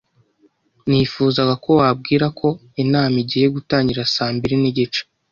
Nifuzaga ko wabwira ko inama igiye gutangira saa mbiri nigice.